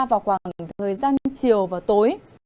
vào khoảng thời gian chiều và tối